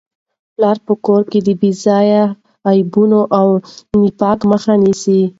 پلار په کور کي د بې ځایه غیبتونو او نفاق مخه نیسي.